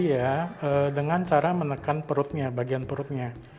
kita bisa milih ya dengan cara menekan perutnya bagian perutnya